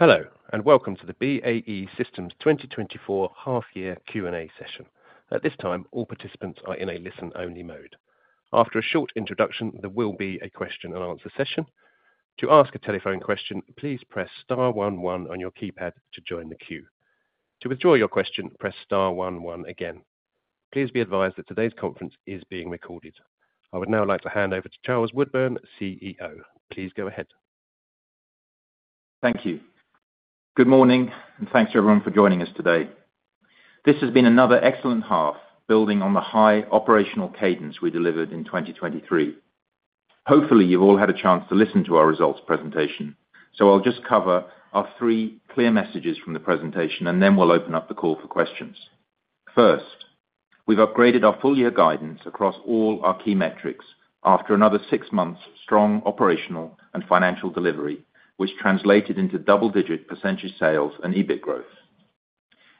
Hello, and welcome to the BAE Systems 2024 half-year Q&A session. At this time, all participants are in a listen-only mode. After a short introduction, there will be a question-and-answer session. To ask a telephone question, please press star one one on your keypad to join the queue. To withdraw your question, press star one one again. Please be advised that today's conference is being recorded. I would now like to hand over to Charles Woodburn, CEO. Please go ahead. Thank you. Good morning, and thanks to everyone for joining us today. This has been another excellent half, building on the high operational cadence we delivered in 2023. Hopefully, you've all had a chance to listen to our results presentation, so I'll just cover our three clear messages from the presentation, and then we'll open up the call for questions. First, we've upgraded our full-year guidance across all our key metrics after another six months' strong operational and financial delivery, which translated into double-digit percentage sales and EBIT growth.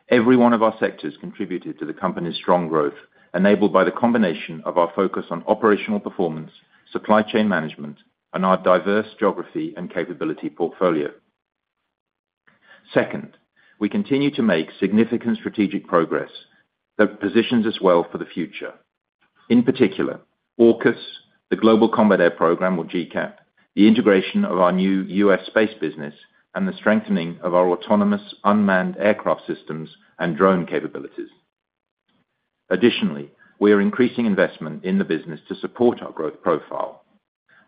Every one of our sectors contributed to the company's strong growth, enabled by the combination of our focus on operational performance, supply chain management, and our diverse geography and capability portfolio. Second, we continue to make significant strategic progress that positions us well for the future. In particular, AUKUS, the Global Combat Air Program, or GCAP, the integration of our new U.S. space business, and the strengthening of our autonomous unmanned aircraft systems and drone capabilities. Additionally, we are increasing investment in the business to support our growth profile.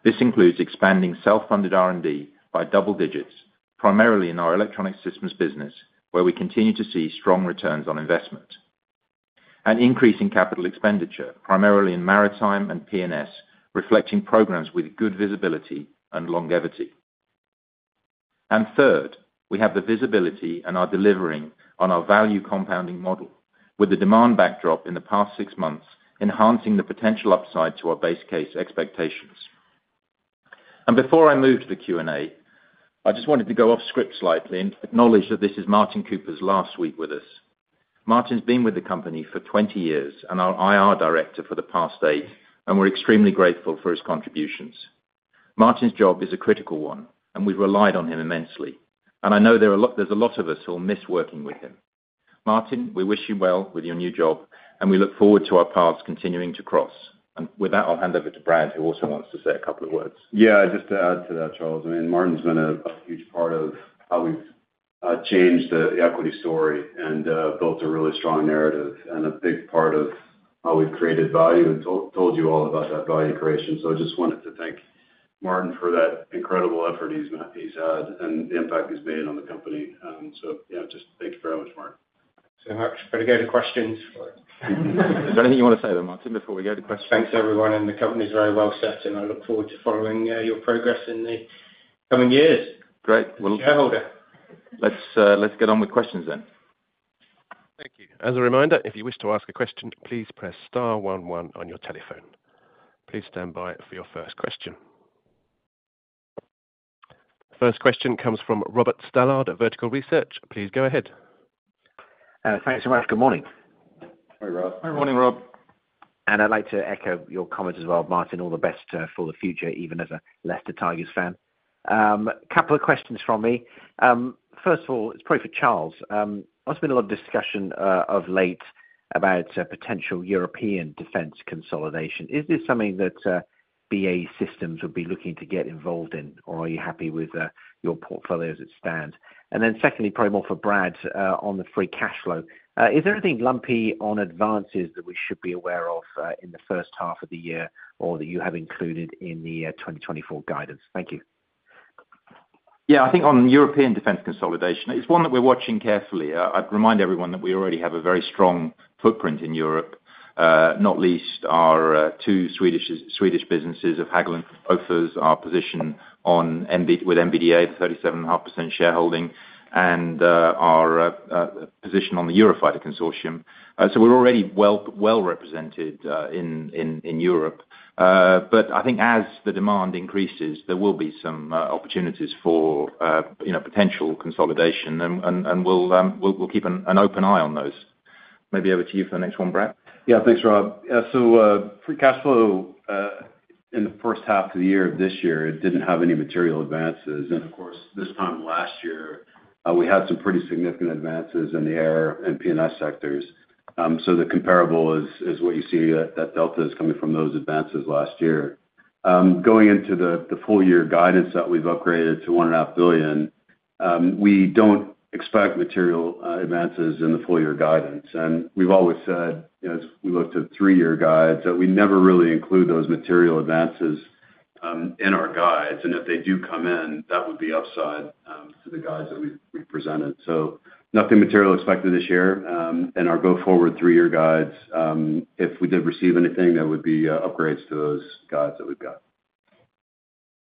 This includes expanding self-funded R&D by double digits, primarily in our Electronic Systems business, where we continue to see strong returns on investment. And increasing capital expenditure, primarily in Maritime and P&S, reflecting programs with good visibility and longevity. And third, we have the visibility and are delivering on our value compounding model, with the demand backdrop in the past six months enhancing the potential upside to our base case expectations. And before I move to the Q&A, I just wanted to go off script slightly and acknowledge that this is Martin Cooper's last week with us. Martin's been with the company for 20 years and our IR director for the past eight, and we're extremely grateful for his contributions. Martin's job is a critical one, and we've relied on him immensely. And I know there's a lot of us who are missed working with him. Martin, we wish you well with your new job, and we look forward to our paths continuing to cross. And with that, I'll hand over to Brad, who also wants to say a couple of words. Yeah, just to add to that, Charles. I mean, Martin's been a huge part of how we've changed the equity story and built a really strong narrative and a big part of how we've created value and told you all about that value creation. So I just wanted to thank Martin for that incredible effort he's had and the impact he's made on the company. So yeah, just thank you very much, Martin. So much. Ready to go to questions? Is there anything you want to say there, Martin, before we go to questions? Thanks, everyone. The company's very well set, and I look forward to following your progress in the coming years. Great. Shareholder. Let's get on with questions then. Thank you. As a reminder, if you wish to ask a question, please press star one one on your telephone. Please stand by for your first question. First question comes from Robert Stallard at Vertical Research. Please go ahead. Thanks so much. Good morning. Hey, Rob. Hey, morning, Rob. I'd like to echo your comments as well, Martin. All the best for the future, even as a Leicester Tigers fan. A couple of questions from me. First of all, it's probably for Charles. There's been a lot of discussion of late about potential European defense consolidation. Is this something that BAE Systems would be looking to get involved in, or are you happy with your portfolio as it stands? And then secondly, probably more for Brad on the free cash flow. Is there anything lumpy on advances that we should be aware of in the first half of the year or that you have included in the 2024 guidance? Thank you. Yeah, I think on European defense consolidation, it's one that we're watching carefully. I'd remind everyone that we already have a very strong footprint in Europe, not least our two Swedish businesses, Hägglunds and Bofors, our position with MBDA, the 37.5% shareholding, and our position on the Eurofighter consortium. So we're already well represented in Europe. But I think as the demand increases, there will be some opportunities for potential consolidation, and we'll keep an open eye on those. Maybe over to you for the next one, Brad. Yeah, thanks, Rob. So free cash flow in the first half of the year of this year, it didn't have any material advances. And of course, this time last year, we had some pretty significant advances in the air and P&S sectors. So the comparable is what you see that delta is coming from those advances last year. Going into the full-year guidance that we've upgraded to 1.5 billion, we don't expect material advances in the full-year guidance. And we've always said, as we look to three-year guides, that we never really include those material advances in our guides. And if they do come in, that would be upside to the guides that we've presented. So nothing material expected this year in our go-forward three-year guides. If we did receive anything, that would be upgrades to those guides that we've got.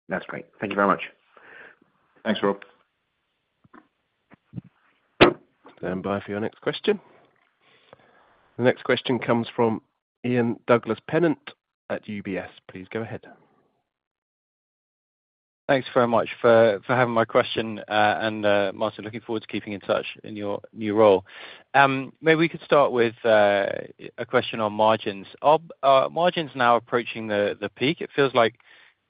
That's great. Thank you very much. Thanks, Rob. Stand by for your next question. The next question comes from Ian Douglas-Pennant at UBS. Please go ahead. Thanks very much for having my question. And Martin, looking forward to keeping in touch in your new role. Maybe we could start with a question on margins. Are margins now approaching the peak? It feels like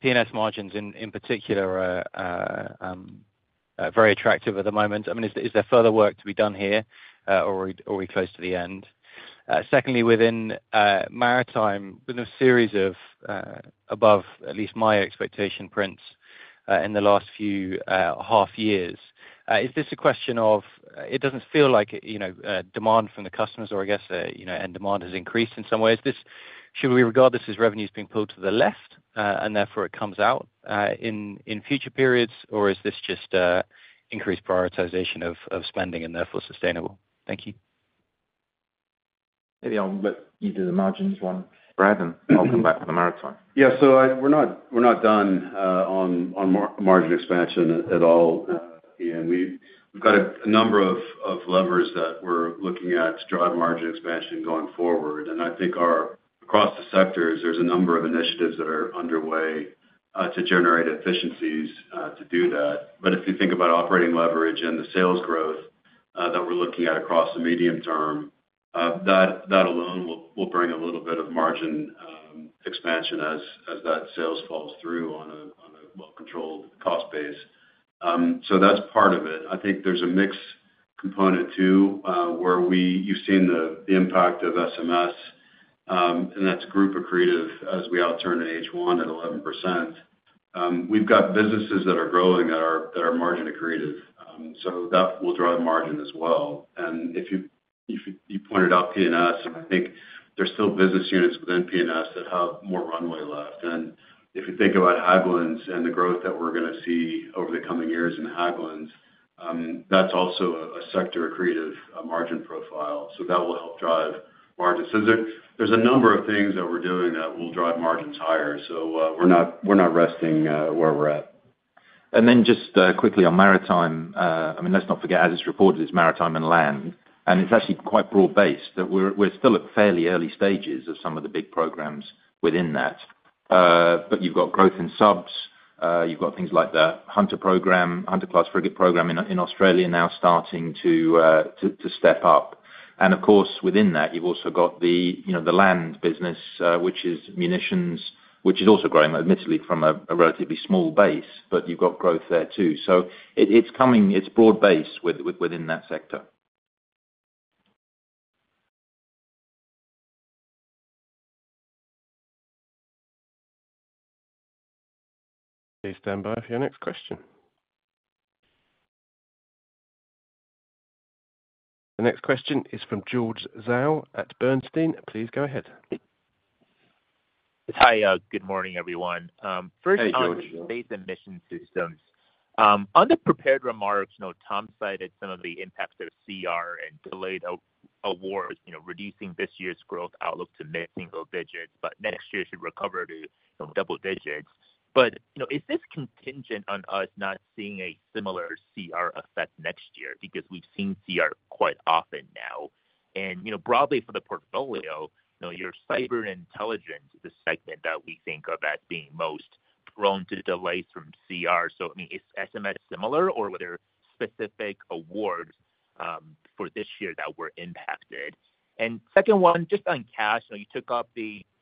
P&S margins in particular are very attractive at the moment. I mean, is there further work to be done here, or are we close to the end? Secondly, within Maritime, within a series of above at least my expectation prints in the last few half years, is this a question of it doesn't feel like demand from the customers, or I guess, and demand has increased in some ways. Should we regard this as revenues being pulled to the left and therefore it comes out in future periods, or is this just increased prioritization of spending and therefore sustainable? Thank you. Maybe I'll let you do the margins one. Brad, and I'll come back to the Maritime. Yeah, so we're not done on margin expansion at all. We've got a number of levers that we're looking at to drive margin expansion going forward. I think across the sectors, there's a number of initiatives that are underway to generate efficiencies to do that. But if you think about operating leverage and the sales growth that we're looking at across the medium term, that alone will bring a little bit of margin expansion as that sales falls through on a well-controlled cost base. So that's part of it. I think there's a mixed component too, where you've seen the impact of SMS, and that's group accretive as we outturn at age one at 11%. We've got businesses that are growing that are margin accretive. So that will drive margin as well. And if you pointed out P&S, I think there's still business units within P&S that have more runway left. And if you think about Hägglunds and the growth that we're going to see over the coming years in Hägglunds, that's also a sector accretive margin profile. So that will help drive margins. There's a number of things that we're doing that will drive margins higher. So we're not resting where we're at. And then just quickly on Maritime, I mean, let's not forget, as it's reported, it's Maritime and Land. And it's actually quite broad-based that we're still at fairly early stages of some of the big programs within that. But you've got growth in subs. You've got things like the Hunter Program, Hunter Class Frigate Program in Australia now starting to step up. And of course, within that, you've also got the Land business, which is munitions, which is also growing, admittedly, from a relatively small base, but you've got growth there too. So it's broad-based within that sector. Please stand by for your next question. The next question is from George Zhao at Bernstein. Please go ahead. Hi, good morning, everyone. Hey, George. First on BAE Systems. Under prepared remarks, Tom cited some of the impacts of CR and delayed awards, reducing this year's growth outlook to mid-single digits, but next year should recover to double digits. But is this contingent on us not seeing a similar CR effect next year? Because we've seen CR quite often now. And broadly for the portfolio, your Cyber & Intelligence is the segment that we think of as being most prone to delays from CR. So I mean, is SMS similar, or were there specific awards for this year that were impacted? And second one, just on cash, you took up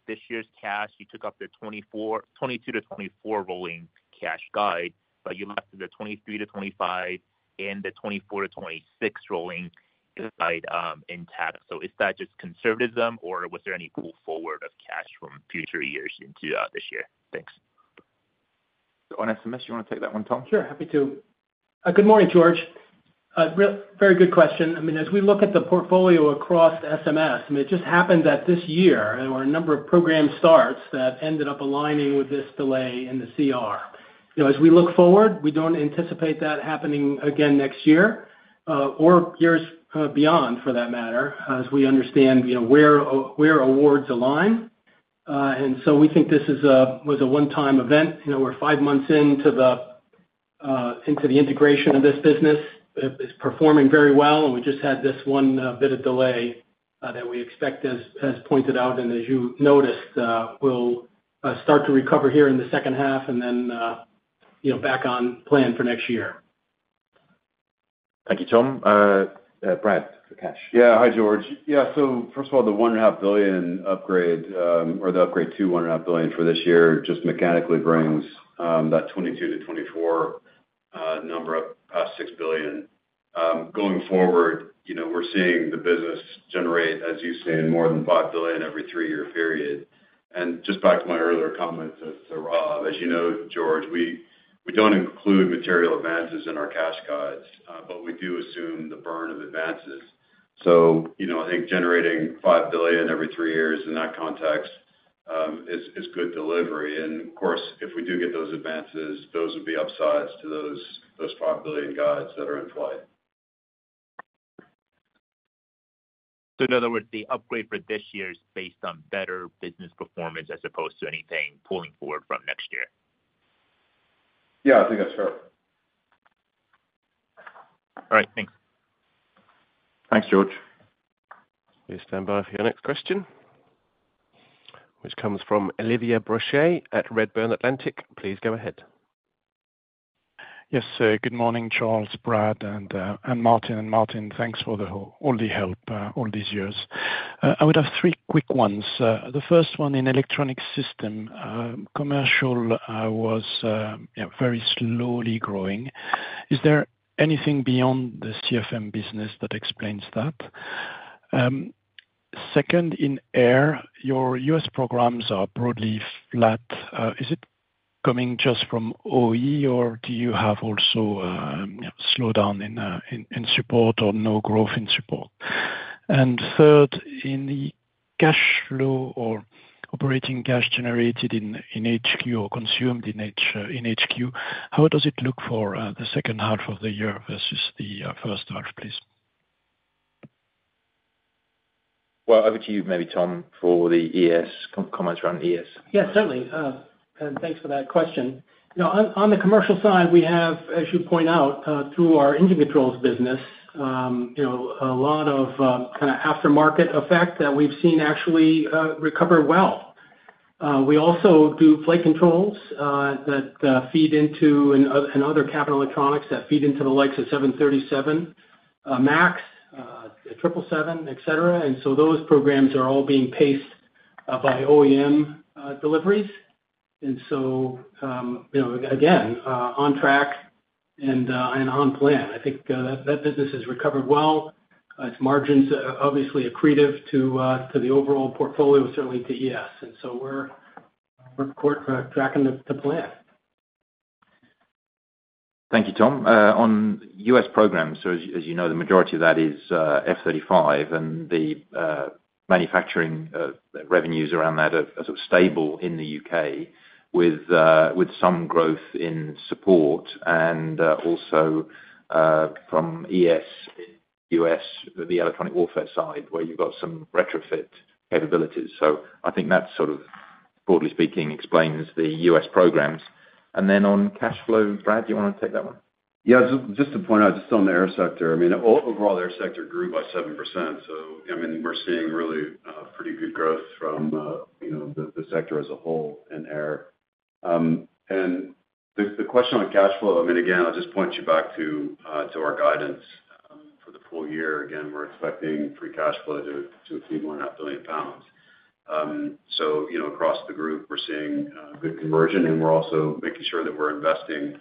this year's cash. You took up the 2022 to 2024 rolling cash guide, but you left the 2023 to 2025 and the 2024 to 2026 rolling guide intact. So is that just conservatism, or was there any pull forward of cash from future years into this year? Thanks. On SMS, you want to take that one, Tom? Sure. Happy to. Good morning, George. Very good question. I mean, as we look at the portfolio across SMS, it just happened that this year, there were a number of program starts that ended up aligning with this delay in the CR. As we look forward, we don't anticipate that happening again next year or years beyond, for that matter, as we understand where awards align. And so we think this was a one-time event. We're five months into the integration of this business. It's performing very well, and we just had this one bit of delay that we expect, as pointed out, and as you noticed, will start to recover here in the second half and then back on plan for next year. Thank you, Tom. Brad, for cash. Yeah, hi, George. Yeah, so first of all, the 1.5 billion upgrade, or the upgrade to 1.5 billion for this year, just mechanically brings that 2022 to 2024 number up past 6 billion. Going forward, we're seeing the business generate, as you say, more than 5 billion every three-year period. And just back to my earlier comments as to Rob, as you know, George, we don't include material advances in our cash guides, but we do assume the burn of advances. So I think generating 5 billion every three years in that context is good delivery. And of course, if we do get those advances, those would be upsides to those 5 billion guides that are in play. So in other words, the upgrade for this year is based on better business performance as opposed to anything pulling forward from next year? Yeah, I think that's correct. All right, thanks. Thanks, George. Please stand by for your next question, which comes from Olivier Brochet at Redburn Atlantic. Please go ahead. Yes, good morning, Charles, Brad, and Martin. And Martin, thanks for all the help all these years. I would have three quick ones. The first one in Electronic Systems, commercial was very slowly growing. Is there anything beyond the CFM business that explains that? Second, in Air, your U.S. programs are broadly flat. Is it coming just from OE, or do you have also slowdown in support or no growth in support? And third, in the cash flow or operating cash generated in HQ or consumed in HQ, how does it look for the second half of the year versus the first half, please? Well, over to you maybe, Tom, for the ES comments around ES. Yeah, certainly. Thanks for that question. On the commercial side, we have, as you point out, through our engine controls business, a lot of kind of aftermarket effect that we've seen actually recover well. We also do flight controls that feed into and other cabin electronics that feed into the likes of 737 MAX, 777, etc. So those programs are all being paced by OEM deliveries. Again, on track and on plan. I think that business has recovered well. Its margins, obviously, accretive to the overall portfolio, certainly to ES. We're tracking the plan. Thank you, Tom. On U.S. programs, so as you know, the majority of that is F-35, and the manufacturing revenues around that are stable in the U.K., with some growth in support and also from ES in U.S., the electronic warfare side, where you've got some retrofit capabilities. So I think that sort of, broadly speaking, explains the U.S. programs. And then on cash flow, Brad, do you want to take that one? Yeah, just to point out, just on the air sector, I mean, overall air sector grew by 7%. So I mean, we're seeing really pretty good growth from the sector as a whole in air. And the question on cash flow, I mean, again, I'll just point you back to our guidance for the full year. Again, we're expecting free cash flow to exceed 1.5 billion pounds. So across the group, we're seeing good conversion, and we're also making sure that we're investing.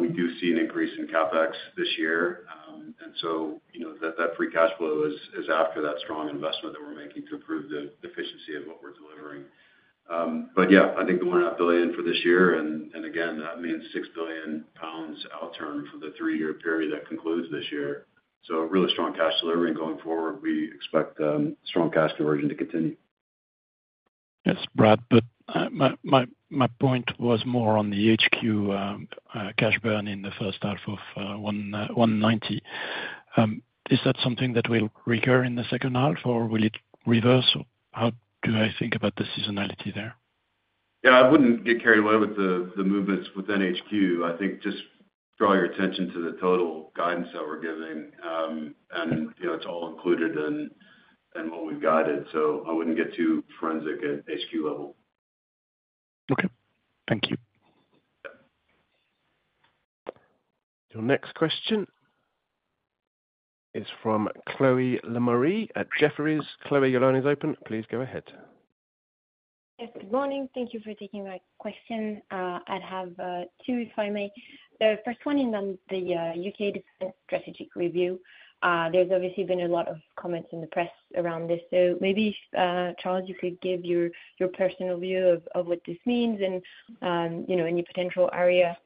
We do see an increase in CapEx this year. And so that free cash flow is after that strong investment that we're making to improve the efficiency of what we're delivering. But yeah, I think the 1.5 billion for this year, and again, that means 6 billion pounds outturn for the three-year period that concludes this year. So really strong cash delivery going forward. We expect strong cash conversion to continue. Yes, Brad, but my point was more on the HQ cash burn in the first half of 2024. Is that something that will recur in the second half, or will it reverse? How do I think about the seasonality there? Yeah, I wouldn't get carried away with the movements within HQ. I think just draw your attention to the total guidance that we're giving. And it's all included in what we've guided. So I wouldn't get too forensic at HQ level. Okay. Thank you. Your next question is from Chloé Lemarié at Jefferies. Chloé, your line is open. Please go ahead. Yes, good morning. Thank you for taking my question. I'd have two, if I may. The first one is on the U.K. defense strategic review. There's obviously been a lot of comments in the press around this. So maybe, Charles, you could give your personal view of what this means and any potential area,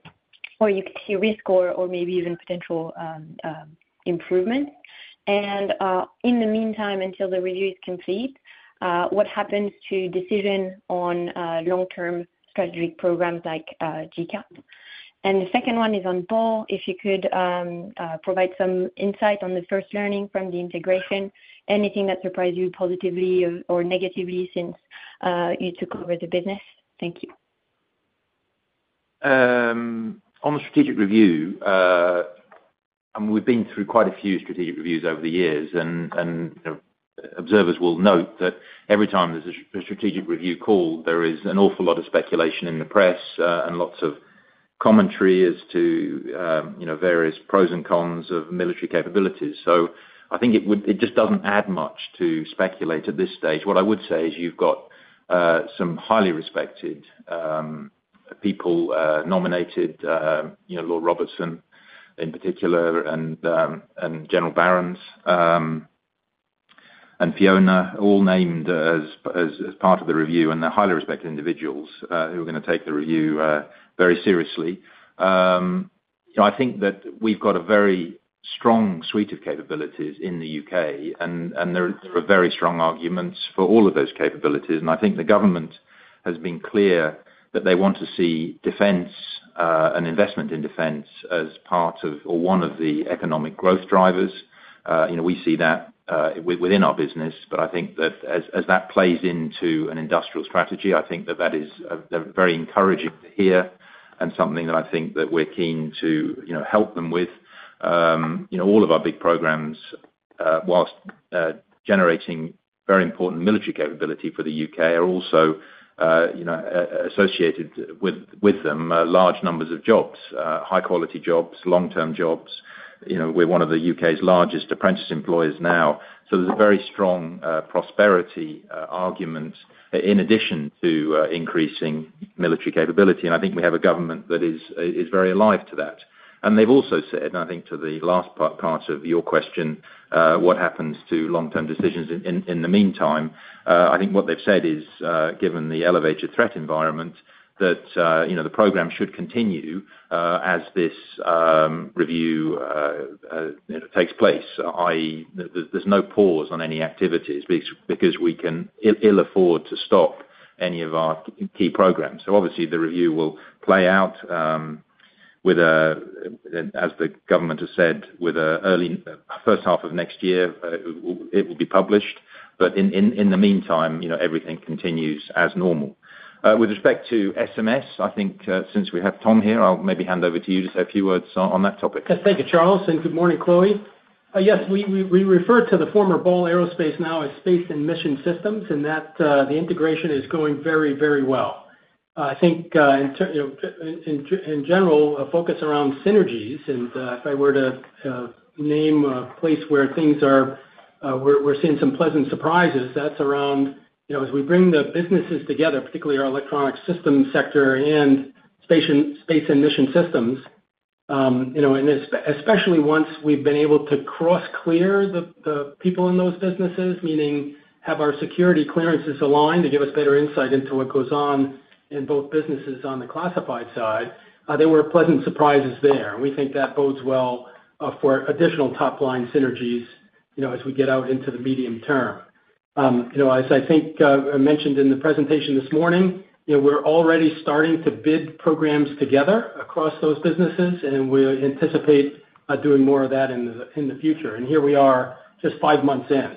or you could see a risk, or maybe even potential improvements. And in the meantime, until the review is complete, what happens to decision on long-term strategic programs like GCAP? And the second one is on Ball. If you could provide some insight on the first learning from the integration, anything that surprised you positively or negatively since you took over the business. Thank you. On the strategic review, and we've been through quite a few strategic reviews over the years, and observers will note that every time there's a strategic review call, there is an awful lot of speculation in the press and lots of commentary as to various pros and cons of military capabilities. So I think it just doesn't add much to speculate at this stage. What I would say is you've got some highly respected people nominated, Lord Robertson in particular, and General Barrons and Fiona, all named as part of the review, and they're highly respected individuals who are going to take the review very seriously. I think that we've got a very strong suite of capabilities in the U.K., and there are very strong arguments for all of those capabilities. And I think the government has been clear that they want to see defense and investment in defense as part of or one of the economic growth drivers. We see that within our business, but I think that as that plays into an industrial strategy, I think that that is very encouraging to hear and something that I think that we're keen to help them with. All of our big programs, while generating very important military capability for the U.K., are also associated with them large numbers of jobs, high-quality jobs, long-term jobs. We're one of the UK's largest apprentice employers now. So there's a very strong prosperity argument in addition to increasing military capability. And I think we have a government that is very alive to that. And they've also said, and I think to the last part of your question, what happens to long-term decisions in the meantime, I think what they've said is, given the elevated threat environment, that the program should continue as this review takes place, i.e., there's no pause on any activities because we can ill afford to stop any of our key programs. So obviously, the review will play out, as the government has said, with the early first half of next year. It will be published. But in the meantime, everything continues as normal. With respect to SMS, I think since we have Tom here, I'll maybe hand over to you to say a few words on that topic. Yes, thank you, Charles. And good morning, Chloé. Yes, we refer to the former Ball Aerospace now as Space and Mission Systems, and that the integration is going very, very well. I think, in general, a focus around synergies. And if I were to name a place where things are, we're seeing some pleasant surprises, that's around as we bring the businesses together, particularly our Electronic Systems sector and Space and Mission Systems, and especially once we've been able to cross-clear the people in those businesses, meaning have our security clearances aligned to give us better insight into what goes on in both businesses on the classified side, there were pleasant surprises there. And we think that bodes well for additional top-line synergies as we get out into the medium term. As I think I mentioned in the presentation this morning, we're already starting to bid programs together across those businesses, and we anticipate doing more of that in the future. And here we are, just five months in.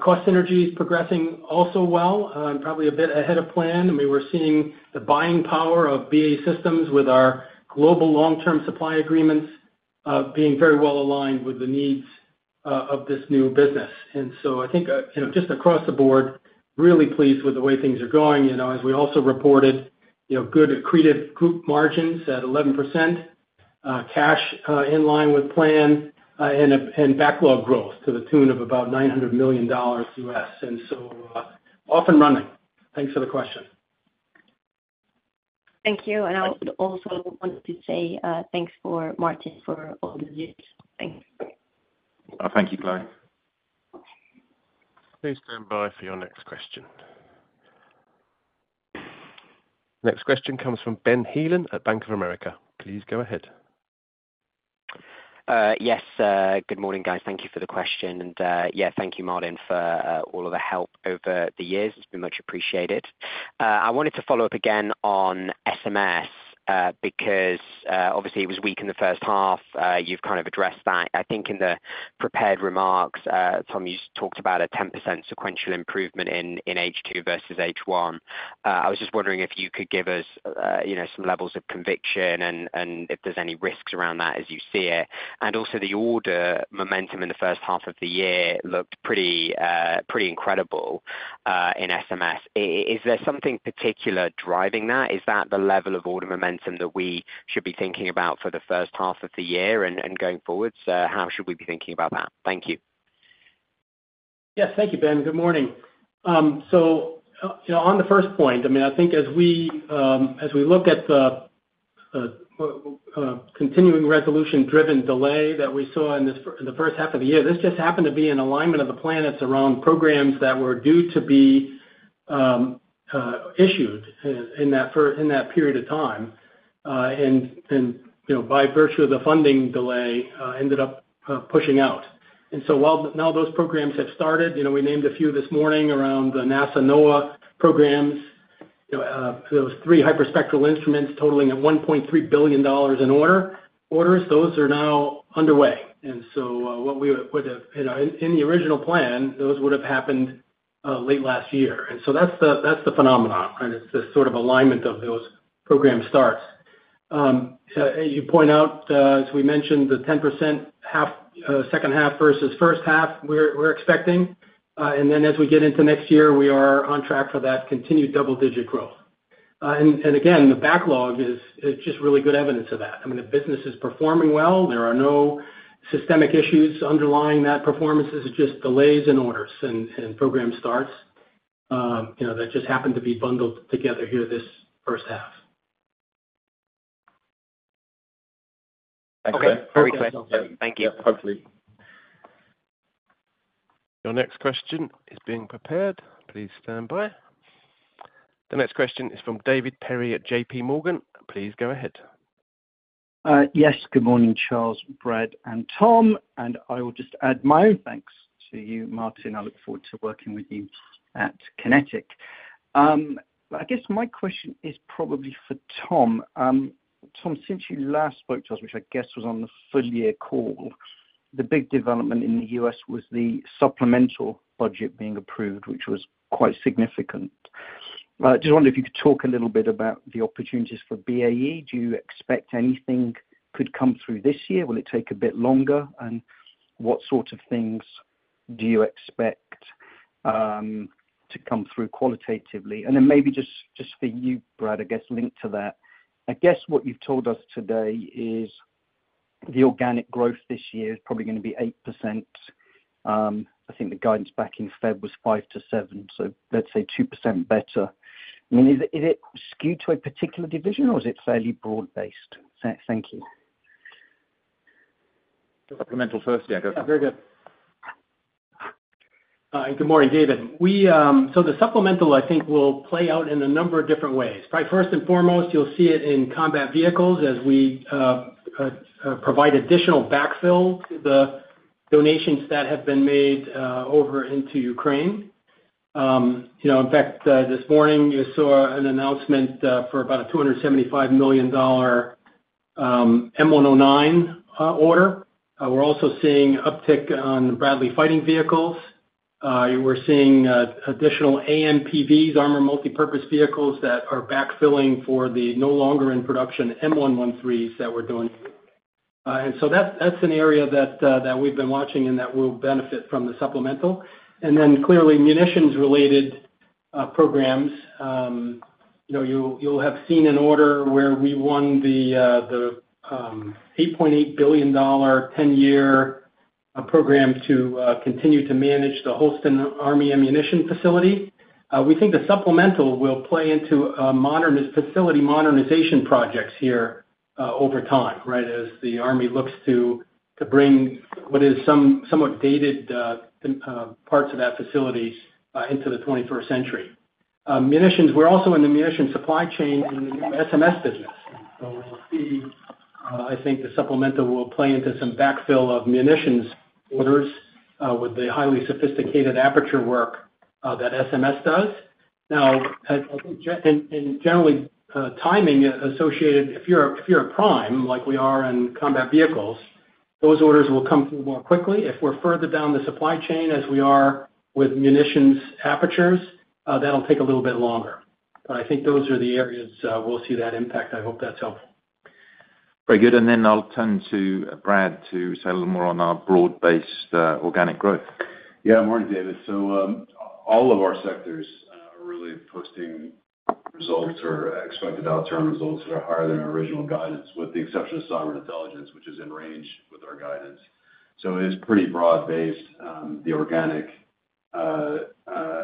Cross-synergy is progressing also well, probably a bit ahead of plan. I mean, we're seeing the buying power of BAE Systems with our global long-term supply agreements being very well aligned with the needs of this new business. And so I think just across the board, really pleased with the way things are going. As we also reported, good accretive group margins at 11%, cash in line with plan, and backlog growth to the tune of about $900 million. And so off and running. Thanks for the question. Thank you. And I also wanted to say thanks for Martin for all the leads. Thanks. Thank you, Chloé. Please stand by for your next question. Next question comes from Ben Heelan at Bank of America. Please go ahead. Yes, good morning, guys. Thank you for the question. Yeah, thank you, Martin, for all of the help over the years. It's been much appreciated. I wanted to follow up again on SMS because obviously, it was weak in the first half. You've kind of addressed that. I think in the prepared remarks, Tom, you talked about a 10% sequential improvement in H2 versus H1. I was just wondering if you could give us some levels of conviction and if there's any risks around that as you see it. Also the order momentum in the first half of the year looked pretty incredible in SMS. Is there something particular driving that? Is that the level of order momentum that we should be thinking about for the first half of the year and going forward? How should we be thinking about that? Thank you. Yes, thank you, Ben. Good morning. So on the first point, I mean, I think as we look at the continuing resolution-driven delay that we saw in the first half of the year, this just happened to be in alignment of the plan. It's around programs that were due to be issued in that period of time. And by virtue of the funding delay, ended up pushing out. And so while now those programs have started, we named a few this morning around the NASA NOAA programs, those three hyperspectral instruments totaling at $1.3 billion in orders, those are now underway. And so what we would have in the original plan, those would have happened late last year. And so that's the phenomenon, right? It's this sort of alignment of those program starts. You point out, as we mentioned, the 10% second half versus first half we're expecting. And then as we get into next year, we are on track for that continued double-digit growth. And again, the backlog is just really good evidence of that. I mean, the business is performing well. There are no systemic issues underlying that performance. This is just delays in orders and program starts that just happened to be bundled together here this first half. Thanks, guys. Thank you. Hopefully. Your next question is being prepared. Please stand by. The next question is from David Perry at JPMorgan. Please go ahead. Yes, good morning, Charles, Brad, and Tom. And I will just add my own thanks to you, Martin. I look forward to working with you at QinetiQ. I guess my question is probably for Tom. Tom, since you last spoke to us, which I guess was on the full-year call, the big development in the U.S. was the supplemental budget being approved, which was quite significant. I just wondered if you could talk a little bit about the opportunities for BAE. Do you expect anything could come through this year? Will it take a bit longer? And what sort of things do you expect to come through qualitatively? And then maybe just for you, Brad, I guess linked to that, I guess what you've told us today is the organic growth this year is probably going to be 8%. I think the guidance back in February was 5%-7%, so let's say 2% better. I mean, is it skewed to a particular division, or is it fairly broad-based? Thank you. Supplemental first, yeah. Very good Hi, good morning, David. So the supplemental, I think, will play out in a number of different ways. Probably first and foremost, you'll see it in combat vehicles as we provide additional backfill to the donations that have been made over into Ukraine. In fact, this morning, you saw an announcement for about a $275 million M109 order. We're also seeing uptick on Bradley Fighting Vehicles. We're seeing additional AMPVs, Armored Multi-Purpose Vehicles that are backfilling for the no longer in production M113s that we're doing. And so that's an area that we've been watching and that will benefit from the supplemental. And then clearly, munitions-related programs. You'll have seen an order where we won the $8.8 billion 10-year program to continue to manage the Holston Army Ammunition facility. We think the supplemental will play into facility modernization projects here over time, right, as the army looks to bring what is somewhat dated parts of that facility into the 21st century. Munitions, we're also in the munitions supply chain in the new SMS business. And so we'll see, I think the supplemental will play into some backfill of munitions orders with the highly sophisticated aperture work that SMS does. Now, I think in general, timing associated, if you're a prime like we are in combat vehicles, those orders will come through more quickly. If we're further down the supply chain as we are with munitions apertures, that'll take a little bit longer. But I think those are the areas we'll see that impact. I hope that's helpful. Very good. Then I'll turn to Brad to say a little more on our broad-based organic growth. Yeah, morning, David. So all of our sectors are really posting results or expected outturn results that are higher than original guidance, with the exception of Cyber & Intelligence, which is in range with our guidance. So it's pretty broad-based, the organic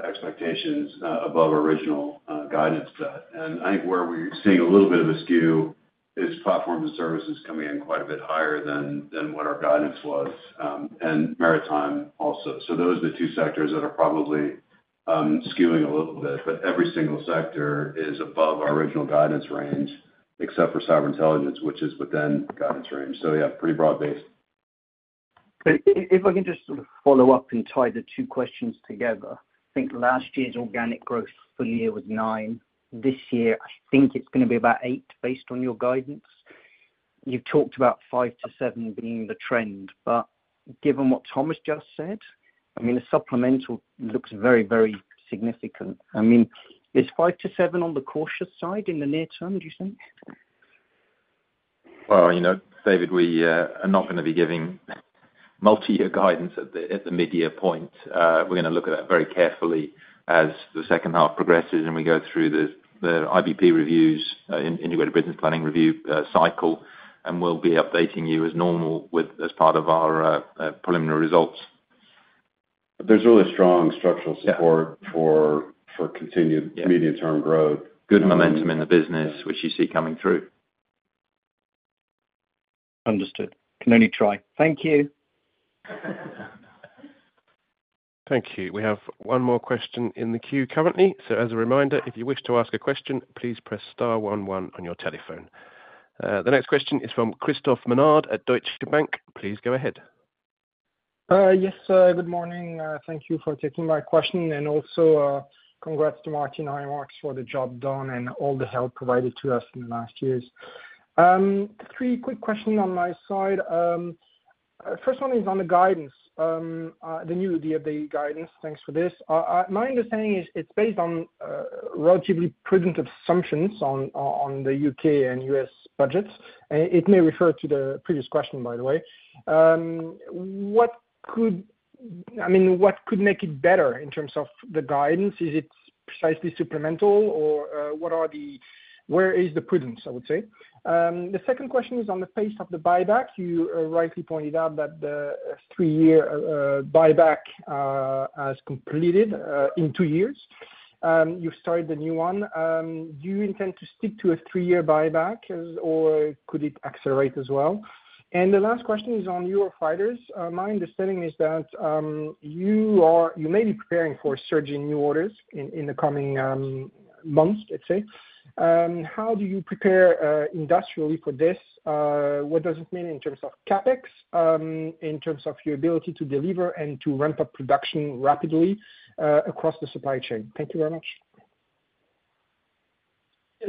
expectations above original guidance. And I think where we're seeing a little bit of a skew is Platforms and Services coming in quite a bit higher than what our guidance was, and Maritime also. So those are the two sectors that are probably skewing a little bit. But every single sector is above our original guidance range, except for Cyber & Intelligence, which is within guidance range. So yeah, pretty broad-based. If I can just sort of follow up and tie the two questions together. I think last year's organic growth for the year was 9%. This year, I think it's going to be about 8% based on your guidance. You've talked about 5%-7% being the trend. But given what Thomas just said, I mean, the supplemental looks very, very significant. I mean, is 5%-7% on the cautious side in the near term, do you think? Well, David, we are not going to be giving multi-year guidance at the mid-year point. We're going to look at that very carefully as the second half progresses and we go through the IBP reviews, Integrated Business Planning review cycle, and we'll be updating you as normal as part of our preliminary results. But there's really strong structural support for continued medium-term growth. Good momentum in the business, which you see coming through. Understood. Can only try. Thank you. Thank you. We have one more question in the queue currently. As a reminder, if you wish to ask a question, please press star one one on your telephone. The next question is from Christophe Menard at Deutsche Bank. Please go ahead. Yes, good morning. Thank you for taking my question. Also congrats to Martin Cooper for the job done and all the help provided to us in the last years. Three quick questions on my side. First one is on the guidance, the new FY guidance. Thanks for this. My understanding is it's based on relatively prudent assumptions on the U.K. and U.S. budgets. It may refer to the previous question, by the way. I mean, what could make it better in terms of the guidance? Is it precisely supplemental, or where is the prudence, I would say? The second question is on the pace of the buyback. You rightly pointed out that the three-year buyback has completed in two years. You've started the new one. Do you intend to stick to a three-year buyback, or could it accelerate as well? The last question is on your fighters. My understanding is that you may be preparing for a surge in new orders in the coming months, let's say. How do you prepare industrially for this? What does it mean in terms of CapEx, in terms of your ability to deliver and to ramp up production rapidly across the supply chain? Thank you very much.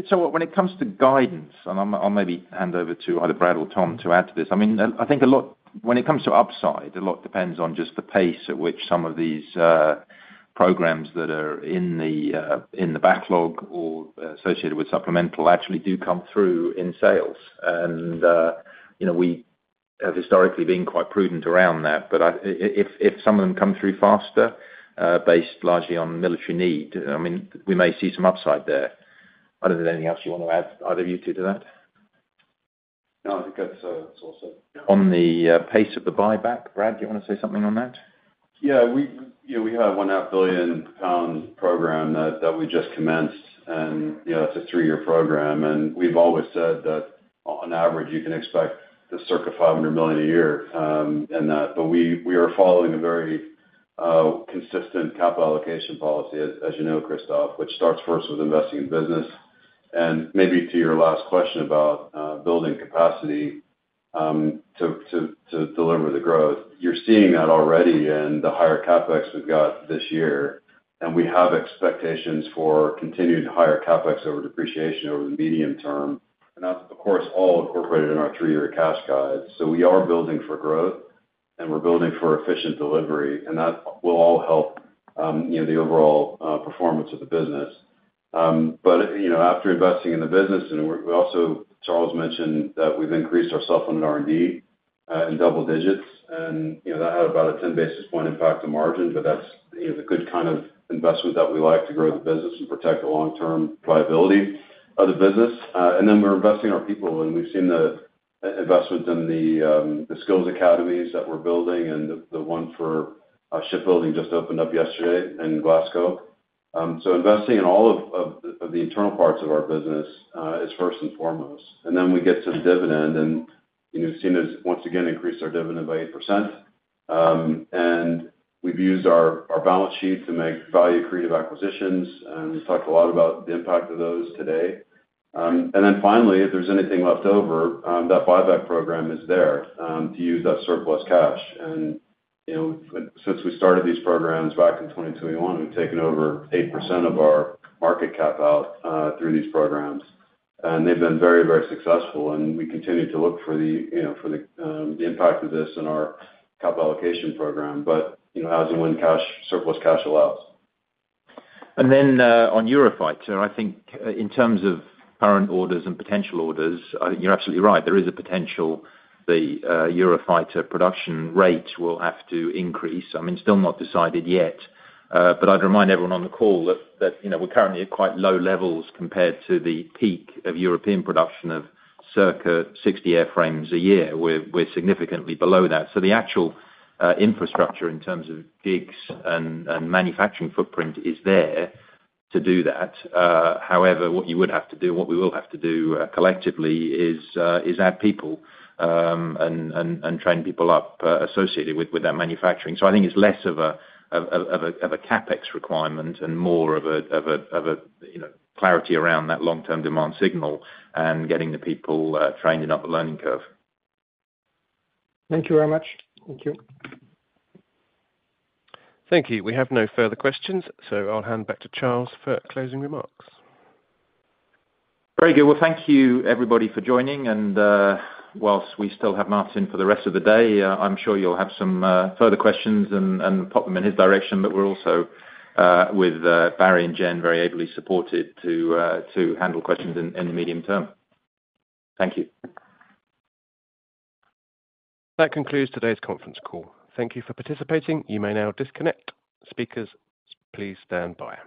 So when it comes to guidance, and I'll maybe hand over to either Brad or Tom to add to this. I mean, I think when it comes to upside, a lot depends on just the pace at which some of these programs that are in the backlog or associated with supplemental actually do come through in sales. And we have historically been quite prudent around that. But if some of them come through faster, based largely on military need, I mean, we may see some upside there. Other than anything else, do you want to add either of you two to that? No, I think that's awesome. On the pace of the buyback, Brad, do you want to say something on that? Yeah, we have a 500 million pound program that we just commenced. It's a three-year program. We've always said that on average, you can expect to see 500 million a year in that. But we are following a very consistent capital allocation policy, as you know, Christophe, which starts first with investing in business. Maybe to your last question about building capacity to deliver the growth, you're seeing that already in the higher CapEx we've got this year. We have expectations for continued higher CapEx over depreciation over the medium term. That's, of course, all incorporated in our three-year cash guide. So we are building for growth, and we're building for efficient delivery. That will all help the overall performance of the business. But after investing in the business, Charles mentioned that we've increased our supplemental R&D in double digits. And that had about a 10 basis point impact on margin. But that's a good kind of investment that we like to grow the business and protect the long-term viability of the business. And then we're investing in our people. And we've seen the investment in the skills academies that we're building. And the one for shipbuilding just opened up yesterday in Glasgow. So investing in all of the internal parts of our business is first and foremost. And then we get to the dividend. And we've seen us once again increase our dividend by 8%. And we've used our balance sheet to make value-creative acquisitions. And we've talked a lot about the impact of those today. And then finally, if there's anything left over, that buyback program is there to use that surplus cash. Since we started these programs back in 2021, we've taken over 8% of our market cap out through these programs. They've been very, very successful. We continue to look for the impact of this in our capital allocation program. But as and when surplus cash allows. And then on Eurofighter, I think in terms of current orders and potential orders, I think you're absolutely right. There is a potential the Eurofighter production rate will have to increase. I mean, still not decided yet. But I'd remind everyone on the call that we're currently at quite low levels compared to the peak of European production of circa 60 airframes a year. We're significantly below that. So the actual infrastructure in terms of jigs and manufacturing footprint is there to do that. However, what you would have to do, what we will have to do collectively is add people and train people up associated with that manufacturing. So I think it's less of a CapEx requirement and more of a clarity around that long-term demand signal and getting the people trained enough to learning curve. Thank you very much. Thank you. Thank you. We have no further questions. I'll hand back to Charles for closing remarks. Very good. Well, thank you, everybody, for joining. And whilst we still have Martin for the rest of the day, I'm sure you'll have some further questions and pop them in his direction. But we're also, with Barry and Jen, very ably supported to handle questions in the medium term. Thank you. That concludes today's conference call. Thank you for participating. You may now disconnect. Speakers, please stand by.